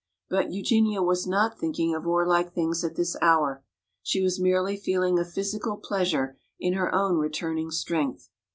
But Eugenia was not thinking of warlike things at this hour. She was merely feeling a physical pleasure in her own returning strength.